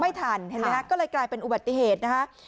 ทันเห็นไหมฮะก็เลยกลายเป็นอุบัติเหตุนะคะ